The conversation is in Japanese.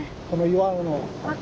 この岩の。